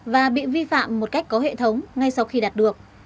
và bị vi phạm một cách có hệ thống ngay sau khi đạt được